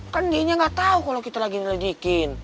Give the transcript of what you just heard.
kan dia nggak tau kalau kita lagi nyelidikin